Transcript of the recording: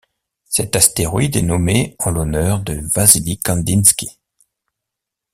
Cet astéroïde est nommé en l'honneur de Vassily Kandinsky.